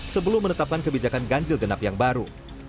sebelum menetapkan kebijakan ganjil genap yang baru